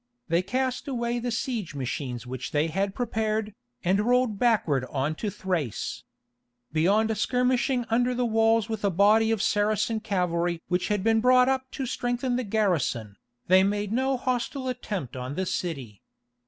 They cast away the siege machines which they had prepared, and rolled backward on to Thrace."(3) Beyond skirmishing under the walls with a body of Saracen cavalry which had been brought up to strengthen the garrison, they made no hostile attempt on the city.